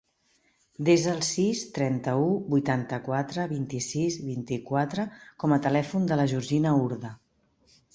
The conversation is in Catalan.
Desa el sis, trenta-u, vuitanta-quatre, vint-i-sis, vint-i-quatre com a telèfon de la Georgina Urda.